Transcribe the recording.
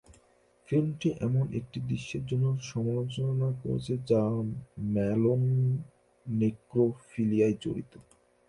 ফিল্মটি এমন একটি দৃশ্যের জন্য সমালোচনা করেছে যা ম্যালোন নেক্রোফিলিয়ায় জড়িত।